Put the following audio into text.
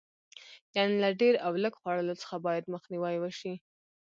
یعنې له ډېر او لږ خوړلو څخه باید مخنیوی وشي.